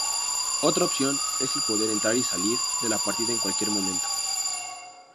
Otra opción es el poder entrar y salir de la partida en cualquier momento.